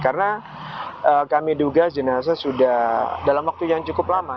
karena kami duga jenasa sudah dalam waktu yang cukup lama